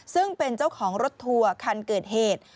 ซึ่งเป็นเจ้าของรถทัวร์คันเกิดเหตุ